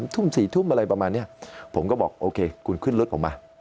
ทุ่ม๔ทุ่มอะไรประมาณนี้ผมก็บอกโอเคคุณขึ้นรถออกมา